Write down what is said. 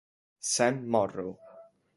Sam Morrow